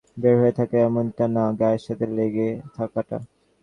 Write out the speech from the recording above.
বের হয়ে থাকে এমনটা না, গায়ের সাথে লেগে থাকাটা।